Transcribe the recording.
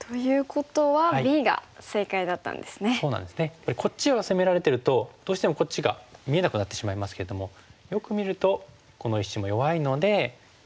やっぱりこっちが攻められてるとどうしてもこっちが見えなくなってしまいますけどもよく見るとこの石も弱いのでしっかりとスベって。